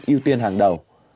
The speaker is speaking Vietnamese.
yêu tiên hàng đầu